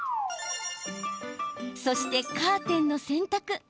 そして、カーテンの洗濯。